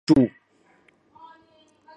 我们展现互助